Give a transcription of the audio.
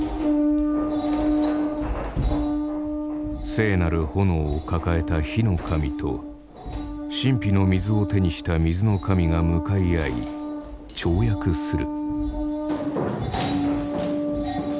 聖なる炎を抱えた火の神と神秘の水を手にした水の神が向かい合い跳躍する。